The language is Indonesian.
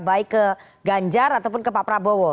baik ke ganjar ataupun ke pak prabowo